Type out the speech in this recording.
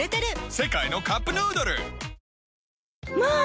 世界のカップヌードルまあ